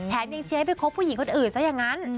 แถมยังเชียงให้ไปคบผู้หญิงคนอื่นซะอย่างนั้น